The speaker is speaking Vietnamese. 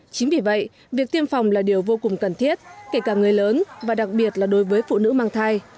chính vì vậy việc tiêm phòng là điều vô cùng cần thiết kể cả người lớn và đặc biệt là đối với phụ nữ mang thai